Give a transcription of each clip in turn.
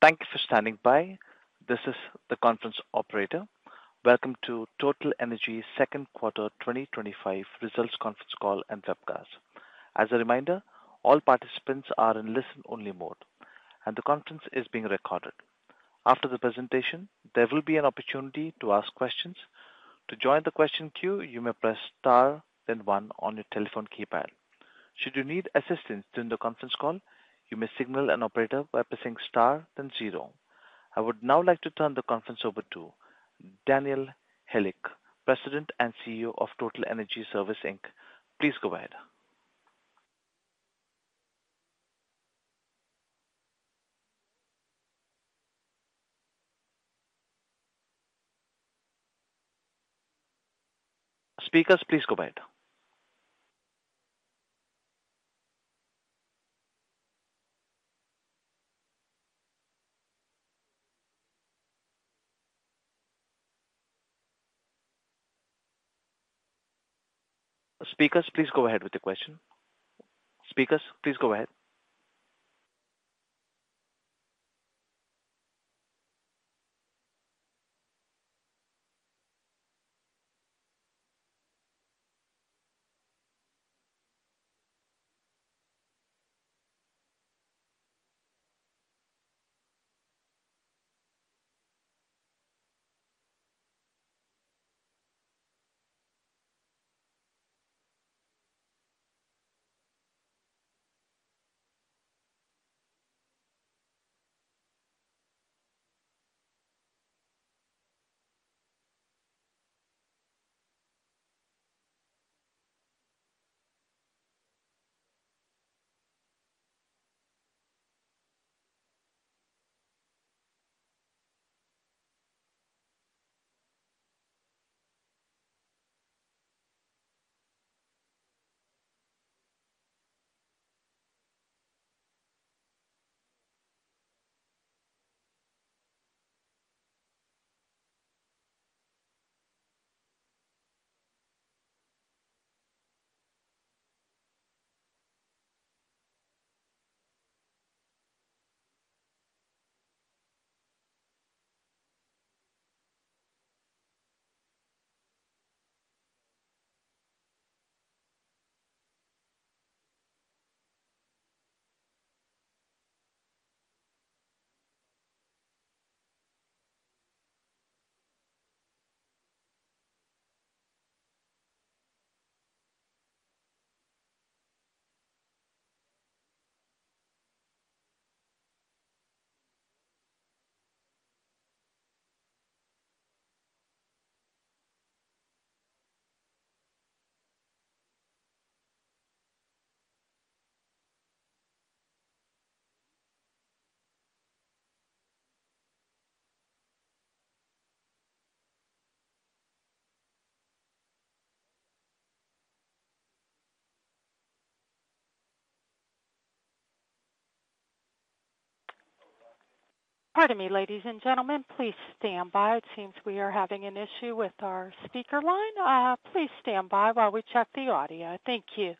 Thank you for standing by. This is the conference operator. Welcome to Total Energy's Second Quarter 2025 Results Conference Call and Webcast. As a reminder, all participants are in listen-only mode, and the conference is being recorded. After the presentation, there will be an opportunity to ask questions. To join the question queue, you may press star, then one on your telephone keypad. Should you need assistance during the conference call, you may signal an operator by pressing star, then zero. I would now like to turn the conference over to Daniel Halyk, President and CEO of Total Energy Services Inc. Please go ahead. Pardon me, ladies and gentlemen. Please stand by. It seems we are having an issue with our speaker line. Please stand by while we check the audio. Thank you.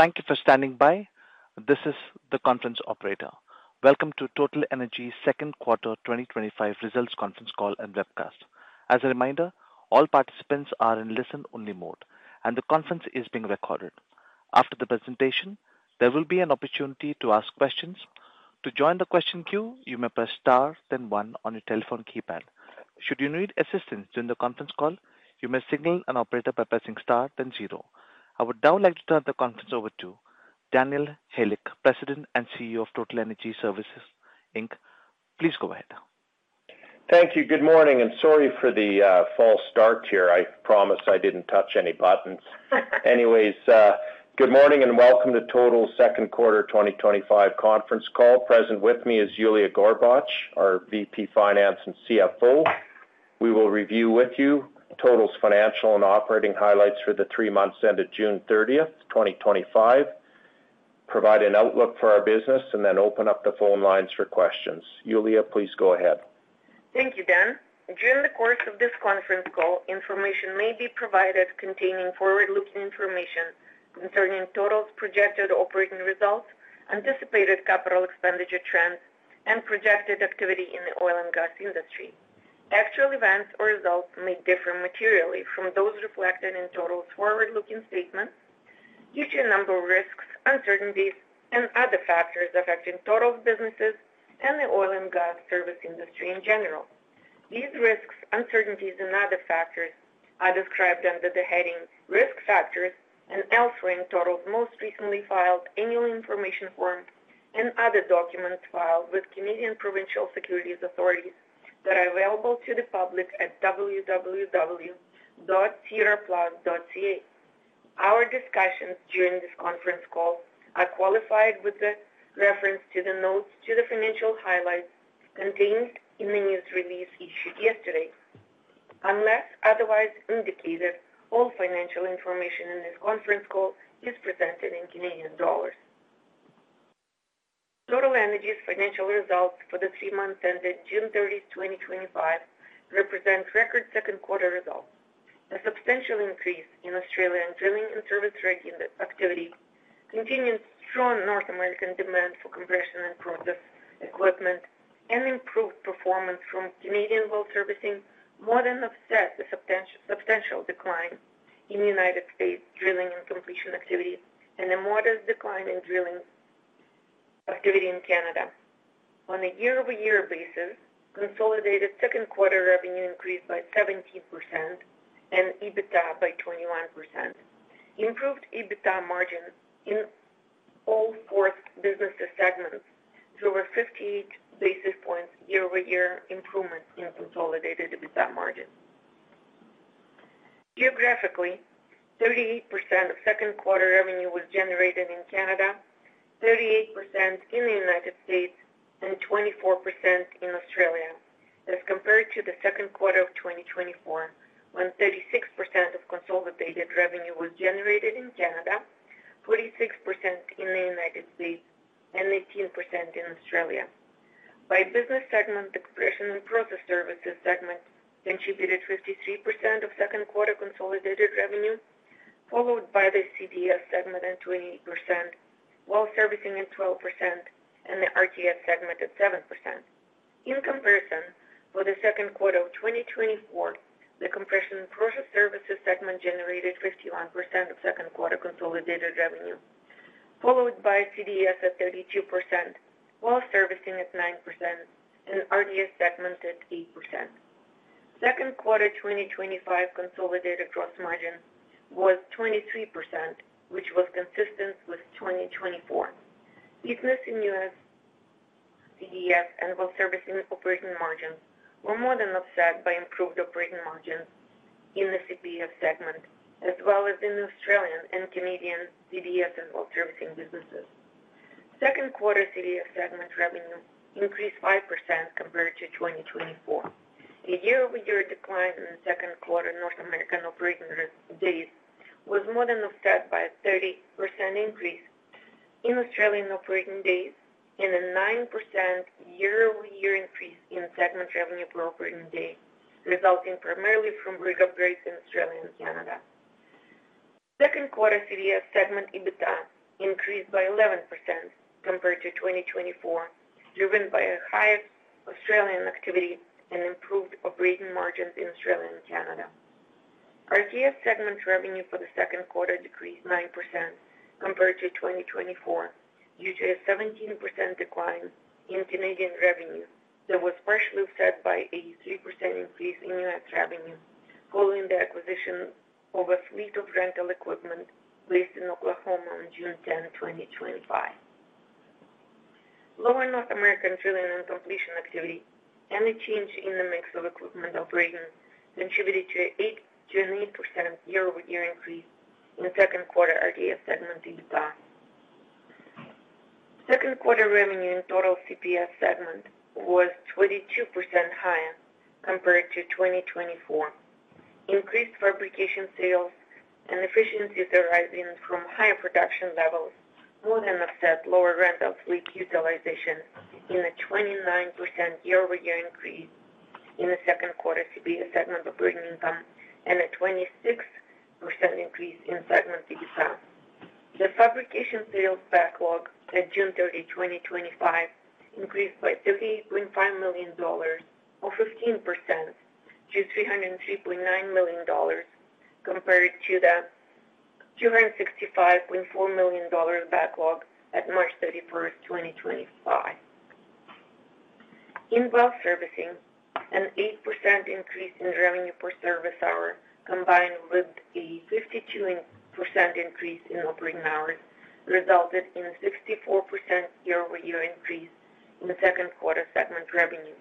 Thank you for standing by. This is the conference operator. Welcome to Total Energy's Second Quarter 2025 Results Conference Call and Webcast. As a reminder, all participants are in listen-only mode, and the conference is being recorded. After the presentation, there will be an opportunity to ask questions. To join the question queue, you may press star, then one on your telephone keypad. Should you need assistance during the conference call, you may signal an operator by pressing star, then zero. I would now like to turn the conference over to Daniel Halyk, President and CEO of Total Energy Services Inc. Please go ahead. Thank you. Good morning, and sorry for the false start here. I promise I didn't touch any buttons. Good morning and welcome to Total's Second Quarter 2025 Conference Call. Present with me is Yuliya Gorbach, our VP Finance and CFO. We will review with you Total's financial and operating highlights for the three months ended June 30th 2025, provide an outlook for our business, and then open up the phone lines for questions. Yuliya, please go ahead. Thank you, Dan. During the course of this conference call, information may be provided containing forward-looking information concerning Total's projected operating results, anticipated capital expenditure trends, and projected activity in the oil and gas industry. Actual events or results may differ materially from those reflected in Total's forward-looking statement due to a number of risks, uncertainties, and other factors affecting Total's businesses and the oil and gas service industry in general. These risks, uncertainties, and other factors are described under the heading Risk Factors and elsewhere in Total's most recently filed annual information form and other documents filed with Canadian Provincial Securities Authorities that are available to the public at www.sedarplus.ca. Our discussions during this conference call are qualified with the reference to the notes to the financial highlights contained in the news release issued yesterday. Unless otherwise indicated, all financial information in this conference call is presented in Canadian dollars. Total Energy's financial results for the three months ended June 30, 2025, represent record second quarter results. A substantial increase in Australian drilling and service rig activity, continued strong North American demand for compression and process equipment, and improved performance from Canadian well servicing more than offset the substantial decline in United States drilling and completion activity and the modest decline in drilling activity in Canada. On a year-over-year basis, consolidated second quarter revenue increased by 17% and EBITDA by 21%. Improved EBITDA margin in all four business segments through a 58 basis points year-over-year improvement in consolidated EBITDA margin. Geographically, 38% of second quarter revenue was generated in Canada, 38% in the United States, and 24% in Australia, as compared to the second quarter of 2024, when 36% of consolidated revenue was generated in Canada, 46% in the United States, and 18% in Australia. By business segment, the Compression and Process Services segment contributed 53% of second quarter consolidated revenue, followed by the CDS segment at 28%, Well Servicing at 12%, and the RTS segment at 7%. In comparison, for the second quarter of 2024, the Compression and Process Services segment generated 51% of second quarter consolidated revenue, followed by CDS at 32%, Well Servicing at 9%, and RTS segment at 8%. Second quarter 2025 consolidated gross margin was 23%, which was consistent with 2024. Business in U.S. CDS and Well Servicing operating margin were more than offset by improved operating margin in the CDS, as well as in Australian and Canadian CDS and Well Servicing businesses. Second quarter CDS segment revenue increased 5% compared to 2024. A year-over-year decline in the second quarter North American operating days was more than offset by a 30% increase in Australian operating days and a 9% year-over-year increase in segment revenue per operating day, resulting primarily from rig upgrades in Australia and Canada. Second quarter CDS segment EBITDA increased by 11% compared to 2024, driven by high Australian activity and improved operating margins in Australia and Canada. RTS segment revenue for the second quarter decreased 9% compared to 2024, due to a 17% decline in Canadian revenue that was partially offset by a 3% increase in U.S. revenue following the acquisition of a fleet of rental equipment placed in Oklahoma on June 10, 2025. Lower North American drilling and completion activity and a change in the mix of equipment operating contributed to an 8% year-over-year increase in the second quarter RTS segment EBITDA. Second quarter revenue in Total CPS segment was 22% higher compared to 2024. Increased fabrication sales and efficiencies arising from higher production levels more than offset lower rental fleet utilization in a 29% year-over-year increase in the second quarter CPS segment operating income and a 26% increase in segment EBITDA. The fabrication sales backlog as of June 30, 2025, increased by 38.5 million dollars, or 15%, to 303.9 million dollars compared to the 265.4 million dollars backlog at March 31, 2025. In Well Servicing, an 8% increase in revenue per service hour combined with a 52% increase in operating hours resulted in a 64% year-over-year increase in the second quarter segment revenue.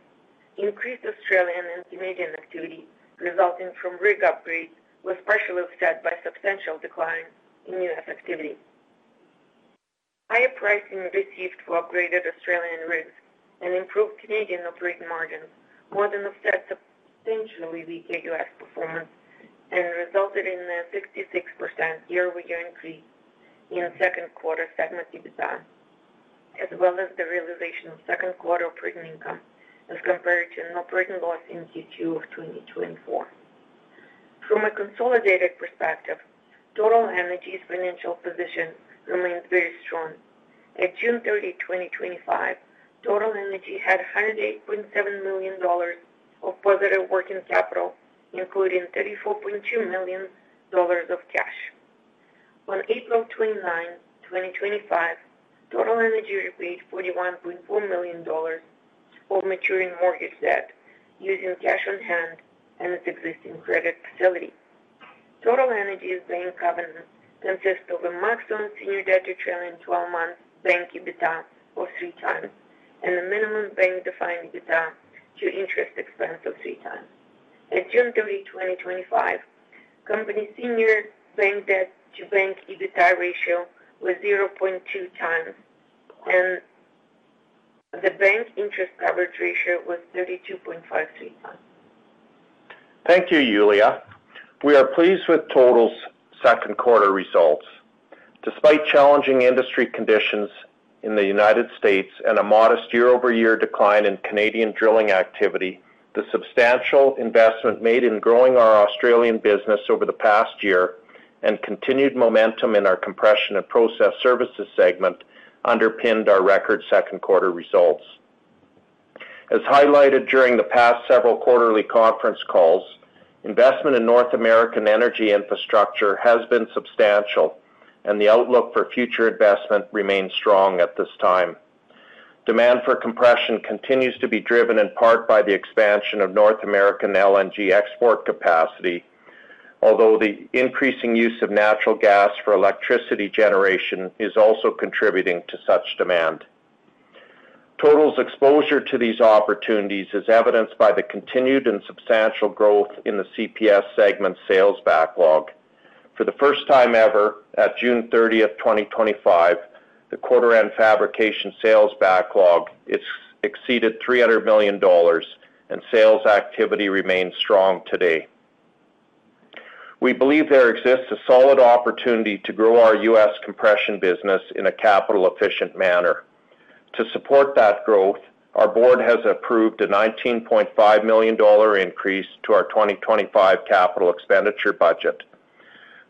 Increased Australian and Canadian activity resulting from rig upgrades was partially offset by a substantial decline in U.S. activity. Higher pricing received for upgraded Australian rigs and improved Canadian operating margin more than offset substantially weaker U.S. performance and resulted in a 56% year-over-year increase in the second quarter segment EBITDA, as well as the realization of second quarter operating income as compared to an operating loss in Q2 of 2024. From a consolidated perspective, Total Energy's financial position remains very strong. At June 30, 2025, Total Energy had 108.7 million dollars of positive working capital, including 34.2 million dollars of cash. On April 29, 2025, Total Energy replaced 41.4 million dollars of maturing mortgage debt using cash on hand and its existing credit facility. Total Energy's bank covenants consists of a maximum senior debt to trailing 12 months bank EBITDA of 3x and a minimum bank defined EBITDA to interest expense of 3x. At June 30, 2025, the company's senior bank debt to bank EBITDA ratio was 0.2x, and the bank interest coverage ratio was 32.53x. Thank you, Yuliya. We are pleased with Total's second quarter results. Despite challenging industry conditions in the United States and a modest year-over-year decline in Canadian drilling activity, the substantial investment made in growing our Australian business over the past year and continued momentum in our Compression and Process Services segment underpinned our record second quarter results. As highlighted during the past several quarterly conference calls, investment in North American energy infrastructure has been substantial, and the outlook for future investment remains strong at this time. Demand for compression continues to be driven in part by the expansion of North American LNG export capacity, although the increasing use of natural gas for electricity generation is also contributing to such demand. Total's exposure to these opportunities is evidenced by the continued and substantial growth in the CPS segment sales backlog. For the first time ever at June 30, 2025, the quarter-end fabrication sales backlog exceeded $300 million, and sales activity remains strong today. We believe there exists a solid opportunity to grow our U.S. compression business in a capital-efficient manner. To support that growth, our board has approved a 19.5 million dollar increase to our 2025 capital expenditure budget.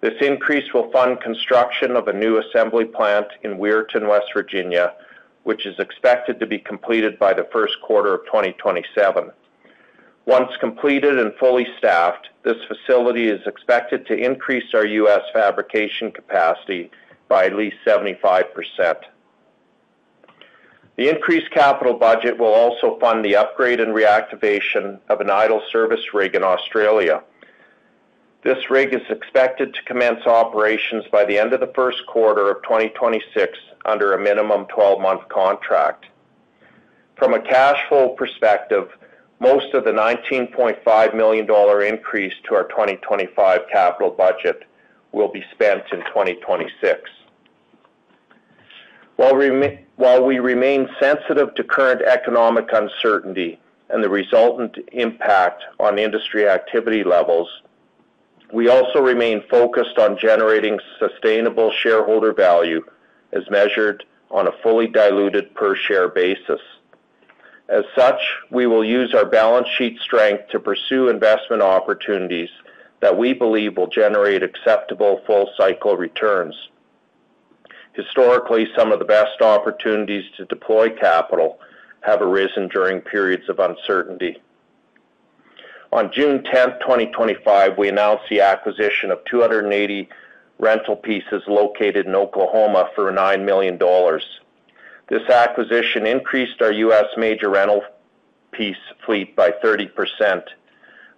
This increase will fund construction of a new assembly plant in Weirton, West Virginia, which is expected to be completed by the first quarter of 2027. Once completed and fully staffed, this facility is expected to increase our U.S. fabrication capacity by at least 75%. The increased capital budget will also fund the upgrade and reactivation of an idle service rig in Australia. This rig is expected to commence operations by the end of the first quarter of 2026 under a minimum 12-month contract. From a cash flow perspective, most of the $19.5 million increase to our 2025 capital budget will be spent in 2026. While we remain sensitive to current economic uncertainty and the resultant impact on industry activity levels, we also remain focused on generating sustainable shareholder value as measured on a fully diluted per share basis. As such, we will use our balance sheet strength to pursue investment opportunities that we believe will generate acceptable full cycle returns. Historically, some of the best opportunities to deploy capital have arisen during periods of uncertainty. On June 10, 2025, we announced the acquisition of 280 rental pieces located in Oklahoma for $9 million. This acquisition increased our U.S. major rental piece fleet by 30%.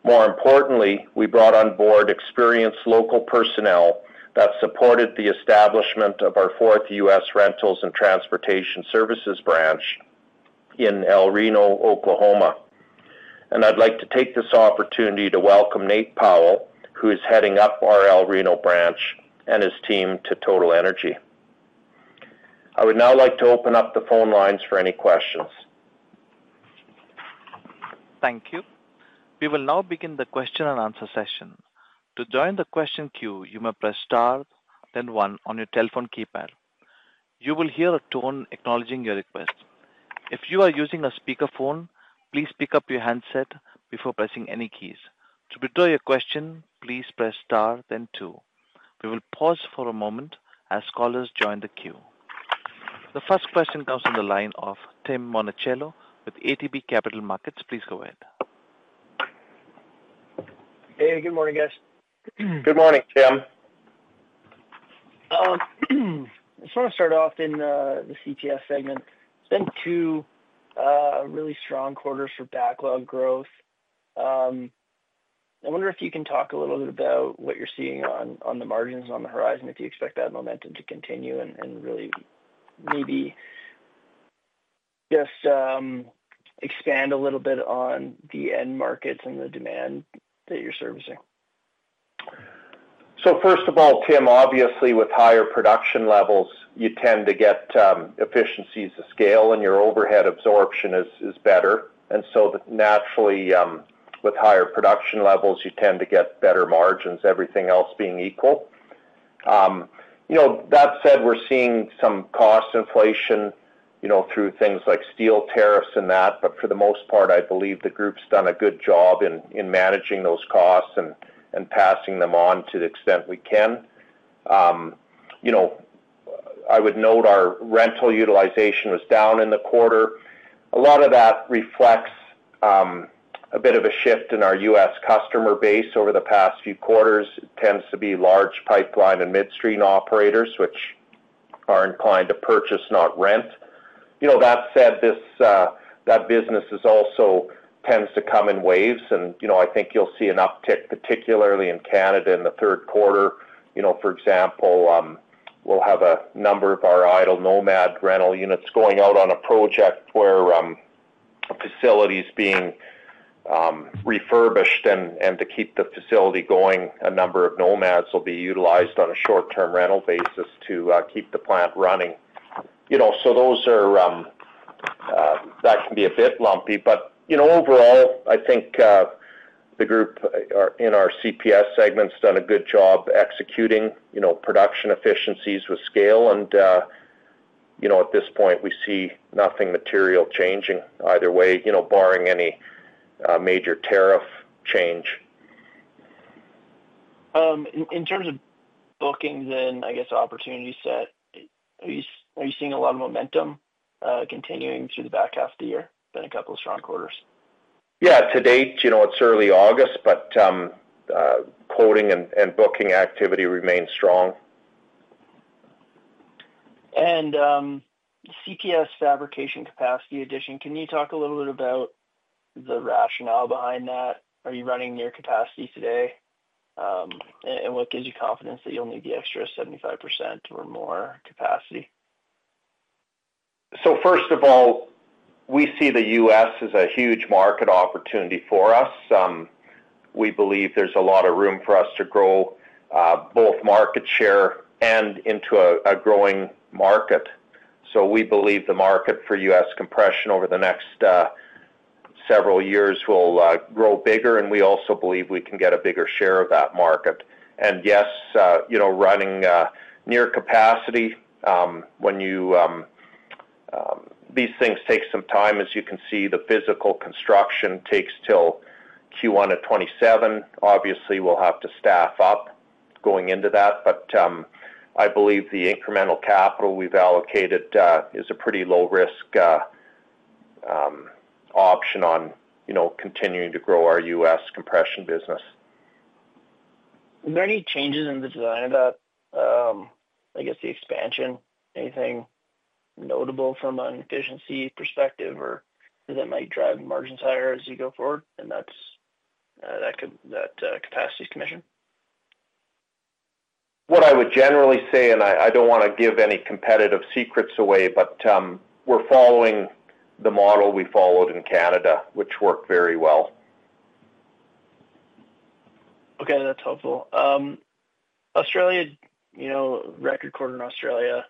More importantly, we brought on board experienced local personnel that supported the establishment of our fourth U.S. Rental and Transportation Services branch in El Reno, Oklahoma. I would like to take this opportunity to welcome Nate Powell, who is heading up our El Reno branch and his team to Total Energy. I would now like to open up the phone lines for any questions. Thank you. We will now begin the question and answer session. To join the question queue, you may press star, then one on your telephone keypad. You will hear a tone acknowledging your request. If you are using a speakerphone, please pick up your handset before pressing any keys. To withdraw your question, please press star, then two. We will pause for a moment as callers join the queue. The first question comes from the line of Tim Monachello with ATB Capital Markets. Please go ahead. Hey, good morning, guys. Good morning, Tim. I just want to start off in the CPS segment. It's been two really strong quarters for backlog growth. I wonder if you can talk a little bit about what you're seeing on the margins and on the horizon, if you expect that momentum to continue and really maybe just expand a little bit on the end markets and the demand that you're servicing. First of all, Tim, obviously with higher production levels, you tend to get efficiencies to scale and your overhead absorption is better. Naturally, with higher production levels, you tend to get better margins, everything else being equal. That said, we're seeing some cost inflation through things like steel tariffs and that, but for the most part, I believe the group's done a good job in managing those costs and passing them on to the extent we can. I would note our rental utilization was down in the quarter. A lot of that reflects a bit of a shift in our U.S. customer base over the past few quarters. It tends to be large pipeline and midstream operators, which are inclined to purchase, not rent. That said, this business also tends to come in waves, and I think you'll see an uptick, particularly in Canada in the third quarter. For example, we'll have a number of our idle NOMAD rental units going out on a project where facilities are being refurbished, and to keep the facility going, a number of NOMADs will be utilized on a short-term rental basis to keep the plant running. Those are, that can be a bit lumpy, but overall, I think the group in our Compression and Process Services segment's done a good job executing production efficiencies with scale, and at this point, we see nothing material changing either way, barring any major tariff change. In terms of bookings and, I guess, opportunities set, are you seeing a lot of momentum continuing through the back half of the year? It's been a couple of strong quarters. To date, you know, it's early August, but quoting and booking activity remains strong. The CPS fabrication capacity addition, can you talk a little bit about the rationale behind that? Are you running near capacity today? What gives you confidence that you'll need the extra 75% or more capacity? First of all, we see the U.S. as a huge market opportunity for us. We believe there's a lot of room for us to grow both market share and into a growing market. We believe the market for U.S. compression over the next several years will grow bigger, and we also believe we can get a bigger share of that market. Yes, running near capacity, these things take some time, as you can see, the physical construction takes till Q1 of 2027. Obviously, we'll have to staff up going into that, but I believe the incremental capital we've allocated is a pretty low-risk option on continuing to grow our U.S. compression business. Are there any changes in the design of that, I guess, the expansion? Anything notable from an efficiency perspective or that might drive margins higher as you go forward in that capacity's commission? What I would generally say, I don't want to give any competitive secrets away, but we're following the model we followed in Canada, which worked very well. Okay, that's helpful. Australia, you know, record quarter in Australia,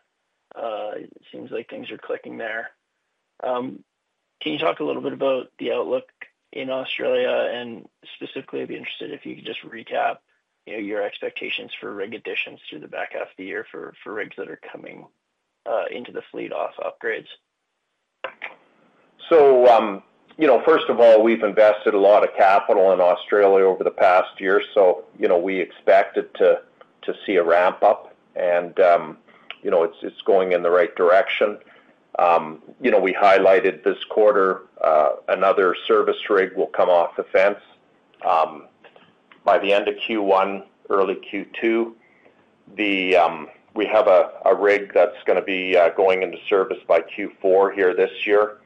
it seems like things are clicking there. Can you talk a little bit about the outlook in Australia? Specifically, I'd be interested if you could just recap your expectations for rig additions through the back half of the year for rigs that are coming into the fleet off upgrades. First of all, we've invested a lot of capital in Australia over the past year, so we expect to see a ramp-up, and it's going in the right direction. We highlighted this quarter another service rig will come off the fence by the end of Q1, early Q2. We have a rig that's going to be going into service by Q4 this year.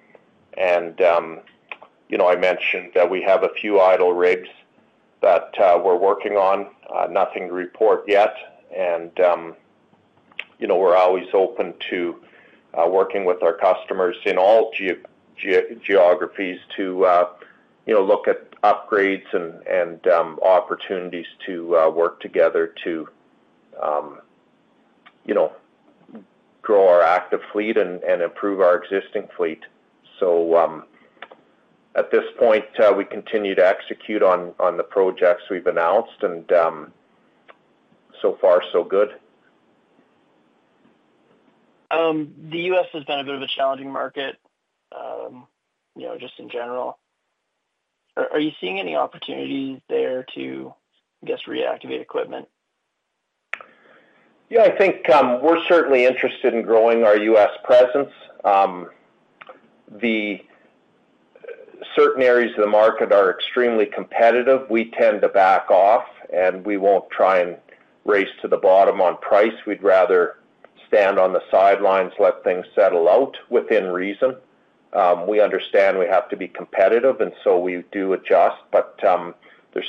I mentioned that we have a few idle rigs that we're working on, nothing to report yet. We're always open to working with our customers in all geographies to look at upgrades and opportunities to work together to grow our active fleet and improve our existing fleet. At this point, we continue to execute on the projects we've announced, and so far, so good. The U.S. has been a bit of a challenging market, you know, just in general. Are you seeing any opportunities there to, I guess, reactivate equipment? Yeah, I think we're certainly interested in growing our U.S. presence. Certain areas of the market are extremely competitive. We tend to back off, and we won't try and race to the bottom on price. We'd rather stand on the sidelines, let things settle out within reason. We understand we have to be competitive, and we do adjust, but there are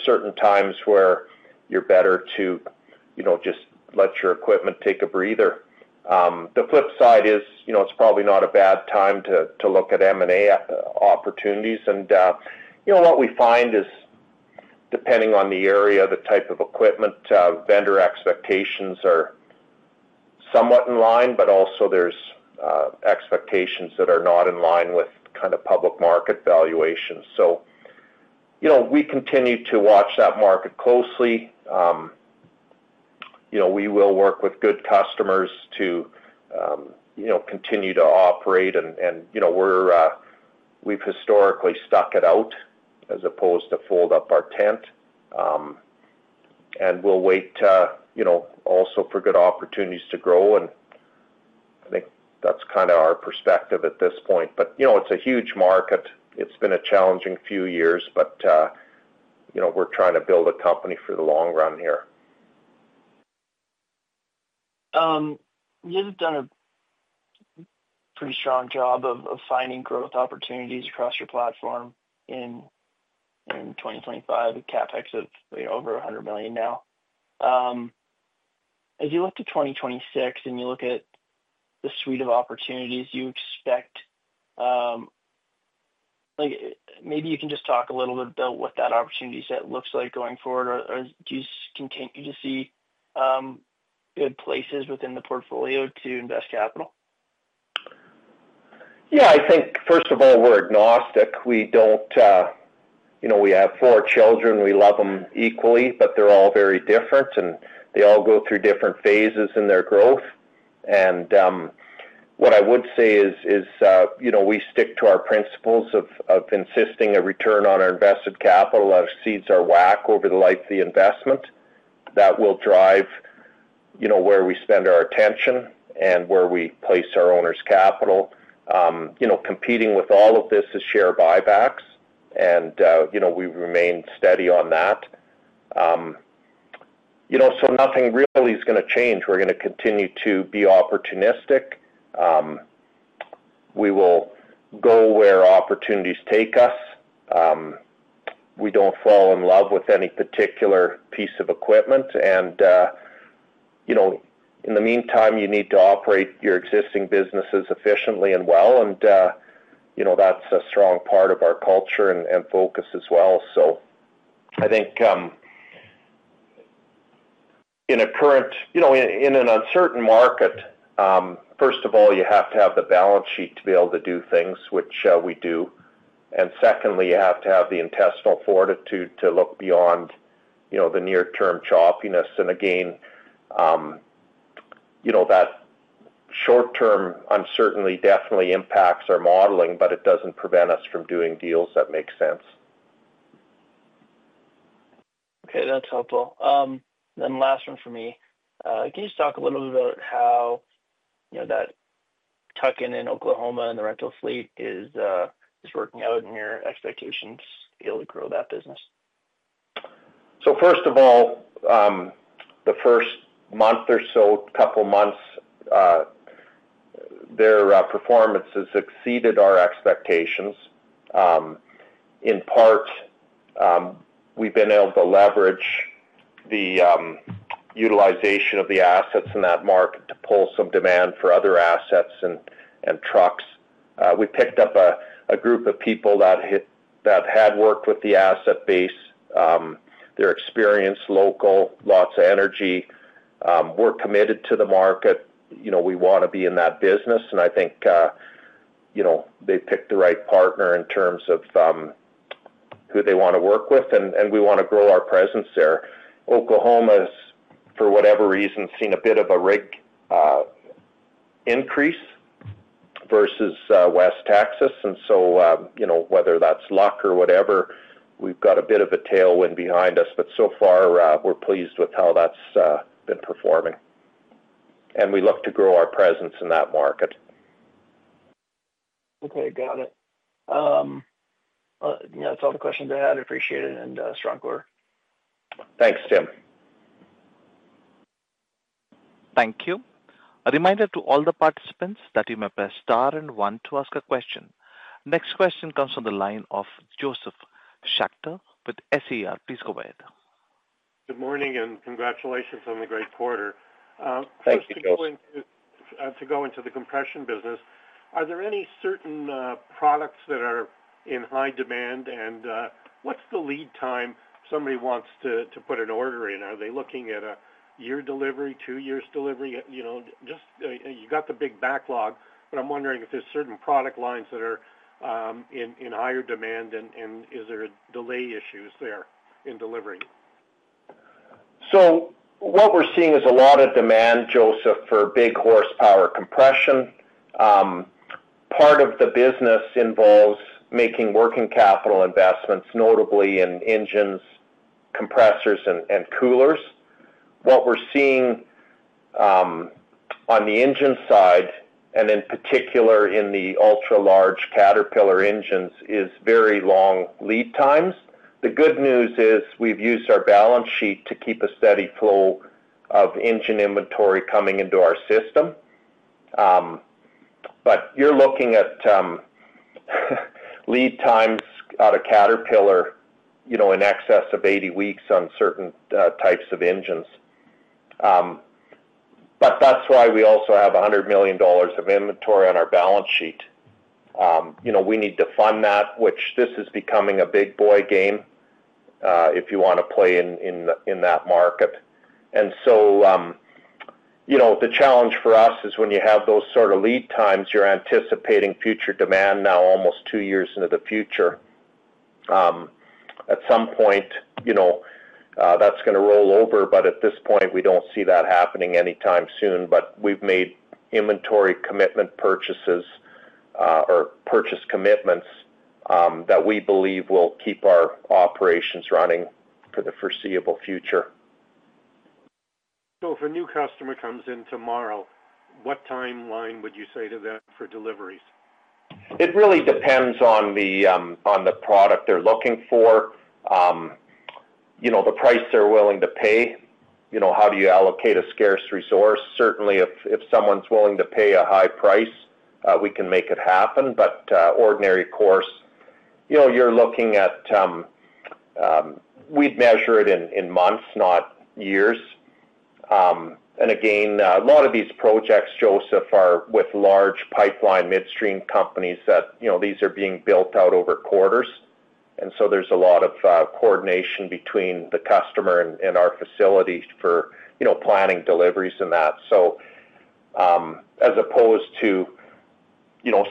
certain times where you're better to just let your equipment take a breather. The flip side is it's probably not a bad time to look at M&A opportunities. What we find is, depending on the area and the type of equipment, vendor expectations are somewhat in line, but also there are expectations that are not in line with kind of public market valuations. We continue to watch that market closely. We will work with good customers to continue to operate. We've historically stuck it out as opposed to fold up our tent. We'll wait also for good opportunities to grow. I think that's kind of our perspective at this point. It's a huge market. It's been a challenging few years, but we're trying to build a company for the long run here. You've done a pretty strong job of finding growth opportunities across your platform in 2025, a capital expenditure budget of over $100 million now. As you look to 2026 and you look at the suite of opportunities you expect, maybe you can just talk a little bit about what that opportunity set looks like going forward. Do you continue to see good places within the portfolio to invest capital? Yeah, I think first of all, we're agnostic. We don't, you know, we have four children. We love them equally, but they're all very different, and they all go through different phases in their growth. What I would say is, you know, we stick to our principles of insisting a return on our invested capital, our seeds are whack over the life of the investment. That will drive, you know, where we spend our attention and where we place our owner's capital. You know, competing with all of this is share buybacks, and you know, we remain steady on that. Nothing really is going to change. We're going to continue to be opportunistic. We will go where opportunities take us. We don't fall in love with any particular piece of equipment. In the meantime, you need to operate your existing businesses efficiently and well. That's a strong part of our culture and focus as well. I think in a current, you know, in an uncertain market, first of all, you have to have the balance sheet to be able to do things, which we do. Secondly, you have to have the intestinal fortitude to look beyond, you know, the near-term choppiness. Again, you know, that short-term uncertainty definitely impacts our modeling, but it doesn't prevent us from doing deals that make sense. Okay, that's helpful. The last one for me, can you just talk a little bit about how, you know, that tuck-in in Oklahoma and the rental fleet is working out in your expectations to be able to grow that business? First of all, the first month or so, a couple of months, their performance has exceeded our expectations. In part, we've been able to leverage the utilization of the assets in that market to pull some demand for other assets and trucks. We picked up a group of people that had worked with the asset base. They're experienced, local, lots of energy. We're committed to the market. We want to be in that business. I think they picked the right partner in terms of who they want to work with, and we want to grow our presence there. Oklahoma has, for whatever reason, seen a bit of a rig increase versus West Texas. Whether that's luck or whatever, we've got a bit of a tailwind behind us. So far, we're pleased with how that's been performing, and we look to grow our presence in that market. Okay, got it. Yeah, that's all the questions I had. I appreciate it and a strong quarter. Thanks, Tim. Thank you. A reminder to all the participants that you may press star and one to ask a question. Next question comes from the line of Josef Schachter with Schachter Energy Research Services Inc. Please go ahead. Good morning and congratulations on the great quarter. Thank you, Josef. To go into the compression business, are there any certain products that are in high demand, and what's the lead time if somebody wants to put an order in? Are they looking at a year delivery, two years delivery? You know, you got the big backlog, but I'm wondering if there's certain product lines that are in higher demand, and is there delay issues there in delivery? What we're seeing is a lot of demand, Josef, for big horsepower compression. Part of the business involves making working capital investments, notably in engines, compressors, and coolers. What we're seeing on the engine side, and in particular in the ultra-large Caterpillar engines, is very long lead times. The good news is we've used our balance sheet to keep a steady flow of engine inventory coming into our system. You're looking at lead times out of Caterpillar, you know, in excess of 80 weeks on certain types of engines. That's why we also have $100 million of inventory on our balance sheet. We need to fund that, which this is becoming a big boy game if you want to play in that market. The challenge for us is when you have those sort of lead times, you're anticipating future demand now almost two years into the future. At some point, that's going to roll over, but at this point, we don't see that happening anytime soon. We've made inventory commitment purchases or purchase commitments that we believe will keep our operations running for the foreseeable future. If a new customer comes in tomorrow, what timeline would you say to that for deliveries? It really depends on the product they're looking for, the price they're willing to pay, and how you allocate a scarce resource. Certainly, if someone's willing to pay a high price, we can make it happen. In the ordinary course, you're looking at, we'd measure it in months, not years. A lot of these projects, Joseph, are with large pipeline midstream companies that are being built out over quarters. There's a lot of coordination between the customer and our facility for planning deliveries and that. As opposed to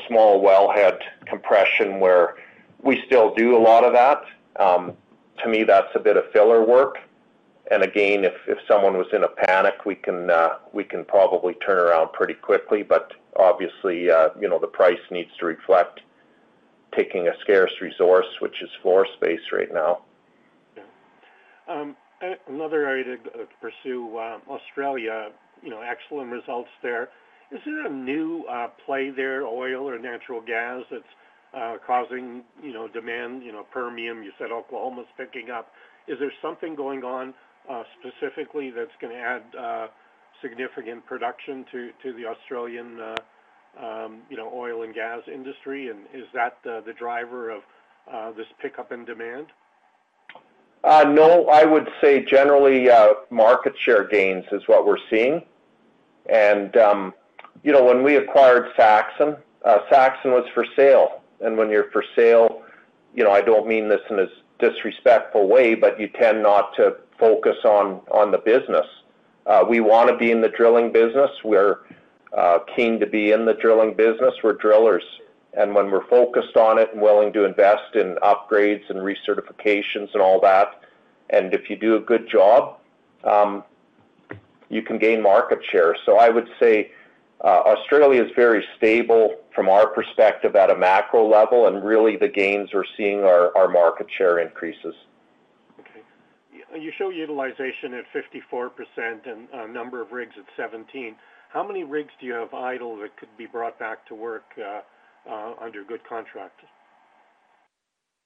small wellhead compression, where we still do a lot of that, to me, that's a bit of filler work. If someone was in a panic, we can probably turn around pretty quickly. Obviously, the price needs to reflect taking a scarce resource, which is floor space right now. Another area to pursue, Australia, excellent results there. Is there a new play there, oil or natural gas, that's causing demand? You said Oklahoma's picking up. Is there something going on specifically that's going to add significant production to the Australian oil and gas industry? Is that the driver of this pickup in demand? No, I would say generally, market share gains is what we're seeing. When we acquired Saxon, Saxon was for sale. When you're for sale, I don't mean this in a disrespectful way, but you tend not to focus on the business. We want to be in the drilling business. We're keen to be in the drilling business. We're drillers. When we're focused on it and willing to invest in upgrades and recertifications and all that, if you do a good job, you can gain market share. I would say Australia is very stable from our perspective at a macro level, and really the gains we're seeing are market share increases. Okay. You show utilization at 54% and a number of rigs at 17. How many rigs do you have idle that could be brought back to work under good contract?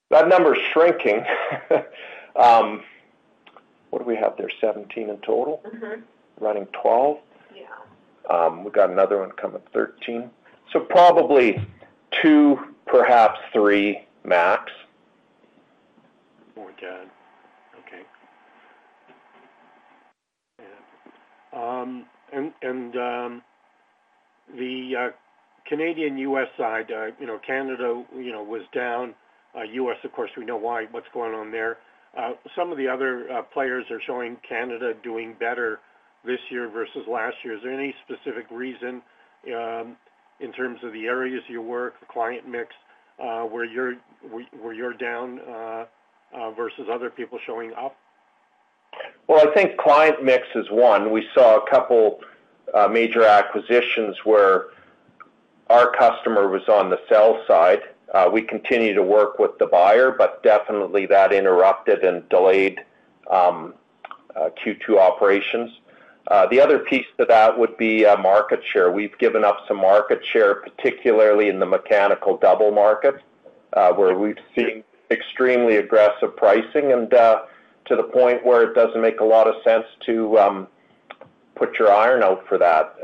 That number is shrinking. What do we have there? 17 in total? Mm-hmm. Running 12. Yeah, we've got another one coming at 13. Probably two, perhaps three max. Okay. On the Canadian-U.S. side, you know, Canada was down. U.S., of course, we know why what's going on there. Some of the other players are showing Canada doing better this year versus last year. Is there any specific reason in terms of the areas you work, the client mix, where you're down versus other people showing up? I think client mix is one. We saw a couple of major acquisitions where our customer was on the sell side. We continue to work with the buyer, but definitely that interrupted and delayed Q2 operations. The other piece to that would be market share. We've given up some market share, particularly in the mechanical double market, where we've seen extremely aggressive pricing to the point where it doesn't make a lot of sense to put your iron out for that.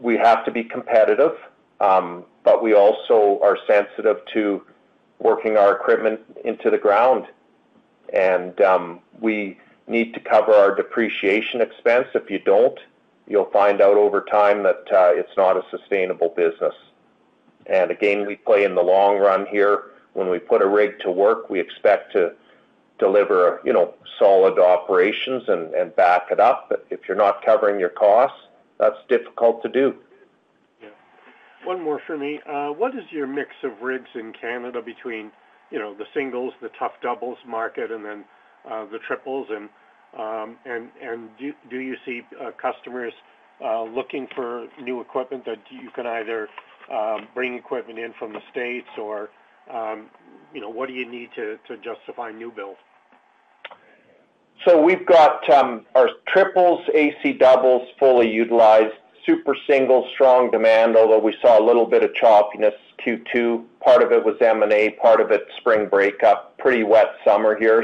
We have to be competitive, but we also are sensitive to working our equipment into the ground. We need to cover our depreciation expense. If you don't, you'll find out over time that it's not a sustainable business. We play in the long run here. When we put a rig to work, we expect to deliver solid operations and back it up. If you're not covering your costs, that's difficult to do. Yeah. One more for me. What is your mix of rigs in Canada between, you know, the singles, the tough doubles market, and then the triples? Do you see customers looking for new equipment that you can either bring equipment in from the United States or, you know, what do you need to justify new build? We've got our triples, AC doubles fully utilized, super singles, strong demand, although we saw a little bit of choppiness Q2. Part of it was M&A, part of it spring breakup, pretty wet summer here.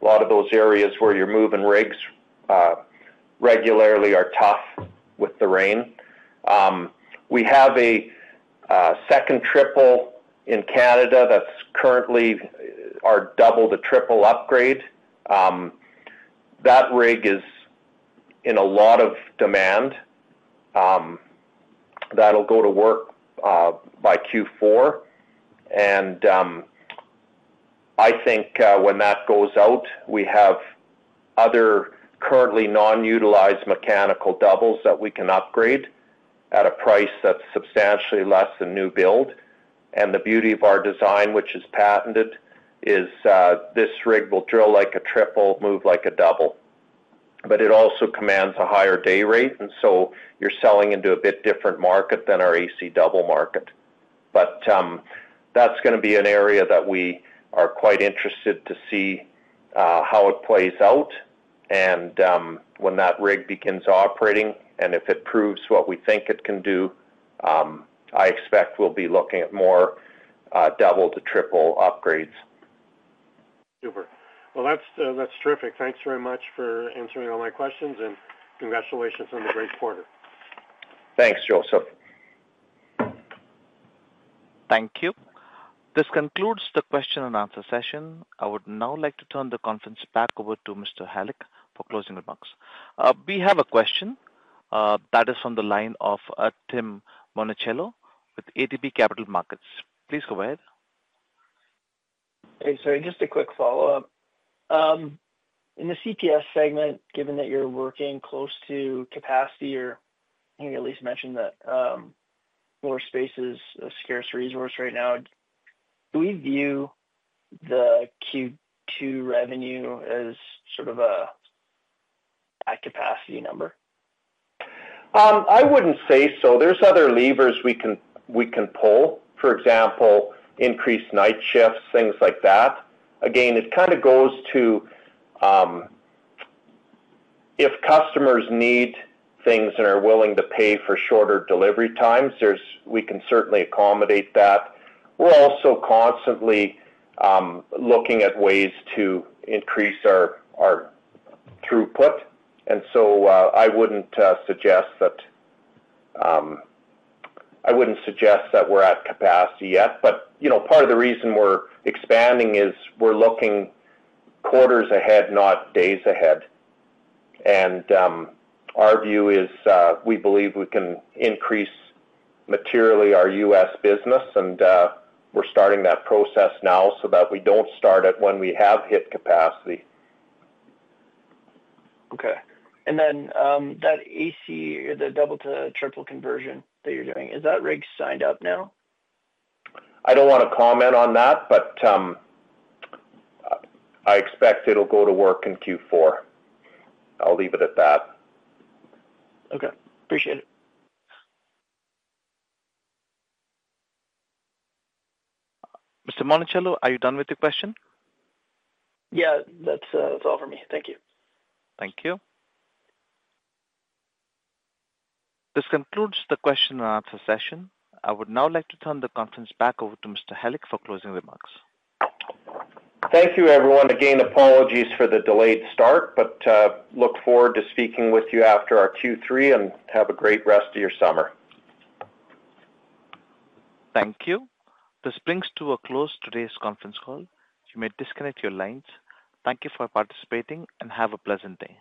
A lot of those areas where you're moving rigs regularly are tough with the rain. We have a second triple in Canada that's currently our double to triple upgrade. That rig is in a lot of demand. That'll go to work by Q4. I think when that goes out, we have other currently non-utilized mechanical doubles that we can upgrade at a price that's substantially less than new build. The beauty of our design, which is patented, is this rig will drill like a triple, move like a double. It also commands a higher day rate, so you're selling into a bit different market than our AC double market. That's going to be an area that we are quite interested to see how it plays out and when that rig begins operating. If it proves what we think it can do, I expect we'll be looking at more double to triple upgrades. Super. That's terrific. Thanks very much for answering all my questions, and congratulations on the great quarter. Thanks, Joseph. Thank you. This concludes the question and answer session. I would now like to turn the conference back over to Mr. Halyk for closing remarks. We have a question that is from the line of Tim Monachello with ATB Capital Markets. Please go ahead. Hey, sir, just a quick follow-up. In the CPS segment, given that you're working close to capacity, or I think at least mentioned that floor space is a scarce resource right now, do we view the Q2 revenue as sort of a high capacity number? I wouldn't say so. There are other levers we can pull, for example, increased night shifts, things like that. Again, it kind of goes to if customers need things and are willing to pay for shorter delivery times, we can certainly accommodate that. We're also constantly looking at ways to increase our throughput. I wouldn't suggest that we're at capacity yet. Part of the reason we're expanding is we're looking quarters ahead, not days ahead. Our view is we believe we can increase materially our U.S. business, and we're starting that process now so that we don't start it when we have hit capacity. Okay. That AC or the double to triple conversion that you're doing, is that rig signed up now? I don't want to comment on that, but I expect it'll go to work in Q4. I'll leave it at that. Okay, appreciate it. Mr. Monachello, are you done with the question? Yeah, that's all for me. Thank you. Thank you. This concludes the question and answer session. I would now like to turn the conference back over to Mr. Halyk for closing remarks. Thank you, everyone. Again, apologies for the delayed start, but look forward to speaking with you after our Q3 and have a great rest of your summer. Thank you. This brings to a close today's conference call. You may disconnect your lines. Thank you for participating and have a pleasant day.